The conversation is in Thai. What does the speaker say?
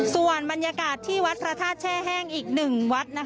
ส่วนบรรยากาศที่วัดพระธาตุแช่แห้งอีก๑วัด